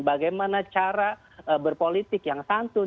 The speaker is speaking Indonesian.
bagaimana cara berpolitik yang santun